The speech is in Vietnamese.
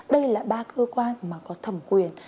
đây là ba cơ quan mà có thẩm quyền